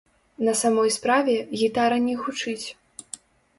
На самой справе, гітара не гучыць.